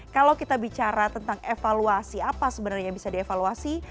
kalau kita bicara tentang evaluasi apa sebenarnya yang bisa dievaluasi